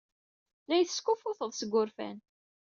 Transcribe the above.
La iyi-teskuffuted seg wurfan.